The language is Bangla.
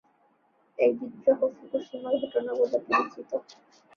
এই বিদ্রোহ ফুকুশিমা ঘটনা বলে পরিচিত।